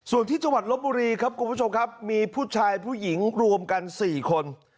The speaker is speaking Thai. ส่วนที่จังหวัดลบบุรีครับคุณผู้ชมครับมีผู้ชายผู้หญิงรวมกัน๔คน